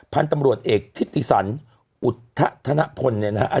พันธุ์ตำรวจเอกทิติสันอุทธนพลเนี่ยนะฮะ